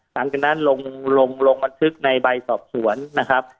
หลังจากนั้นลงลงบันทึกในใบสอบสวนนะครับ